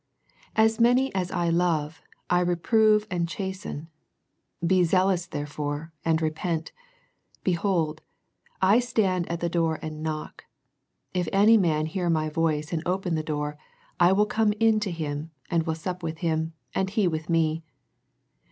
As many as I love, I reprove and chasten : be zealous there fore, and repent. Behold, I stand at the door and knock: if any man hear My voice and open the door, I will come in to him, and will sup with him, and he with Me.